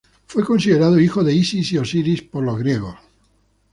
Fue considerado hijo de Isis y Osiris por los griegos.